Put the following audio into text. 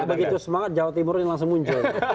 begitu semangat jawa timur ini langsung muncul